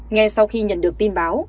ngay sau khi nhận được tin báo